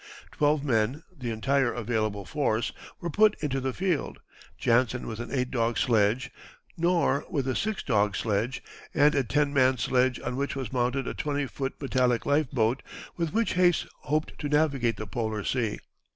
Twelve men, the entire available force, were put into the field: Jansen with an eight dog sledge, Knorr with a six dog sledge, and a ten man sledge on which was mounted a twenty foot metallic life boat, with which Hayes hoped to navigate the Polar Sea.